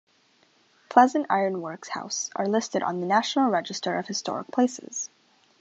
Pleasant Iron Works House are listed on the National Register of Historic Places.